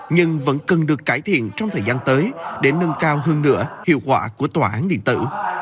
nhưng vẫn cần được cải thiện trong thời gian tới để nâng cao hơn nữa hiệu quả của tòa án điện tử